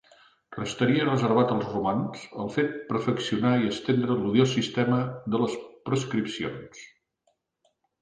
Restaria reservat als romans el fet perfeccionar i estendre l'odiós sistema de les proscripcions.